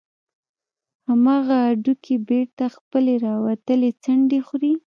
همغه هډوکى بېرته خپلې راوتلې څنډې خوري.